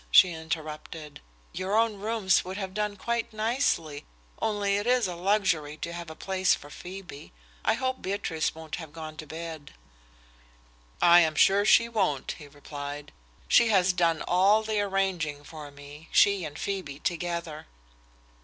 she interrupted. "Your own rooms would have done quite nicely, only it is a luxury to have a place for Phoebe. I hope Beatrice won't have gone to bed." "I am sure she won't," he replied. "She has done all the arranging for me she and Phoebe together."